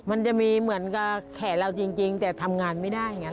มันจะมีเหมือนกับแขนเราจริงแต่ทำงานไม่ได้อย่างนี้